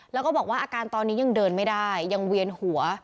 แล้วก็บอกว่าอาการตอนนี้ยังเดินไม่ได้ยังเวียนหัว